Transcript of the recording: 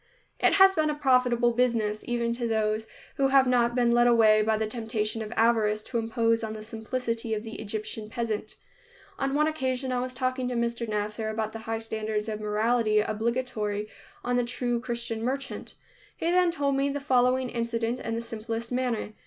It has been a profitable business, even to those who have not been led away by the temptation of avarice to impose on the simplicity of the Egyptian peasant. On one occasion I was talking to Mr. Nasser about the high standards of morality obligatory on the true Christian merchant. He then told me the following incident in the simplest manner.